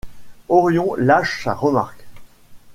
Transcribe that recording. Orion lâche sa remarque.